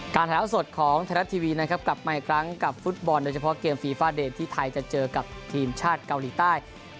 แถวสดของไทยรัฐทีวีนะครับกลับมาอีกครั้งกับฟุตบอลโดยเฉพาะเกมฟีฟาเดมที่ไทยจะเจอกับทีมชาติเกาหลีใต้